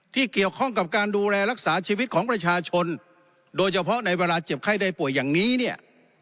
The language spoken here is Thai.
ที่เกี่ยวข้องกับการดูแลรักษาชีวิตของประชาชนโดยเฉพาะในเวลาเจ็บไข้ได้ป่วยอย่างนี้เนี่ย